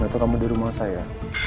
atau kamu di rumah saya